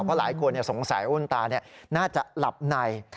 เพราะหลายคนสงสัยว่าคุณตาน่าจะหลับใน